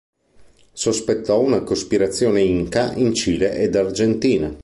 Sospettò una cospirazione Inca in Cile ed Argentina.